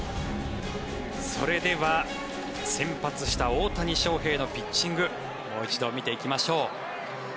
それでは先発した大谷翔平のピッチングもう一度見ていきましょう。